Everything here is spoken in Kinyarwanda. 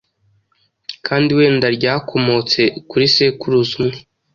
kandi wenda ryakomotse kuri sekuruza umwe